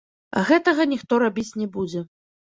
А гэтага ніхто рабіць не будзе.